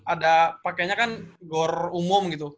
ada pakenya kan gore umum gitu